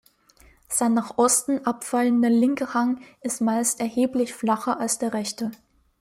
Sein nach Osten abfallender linker Hang ist meist erheblich flacher als der rechte.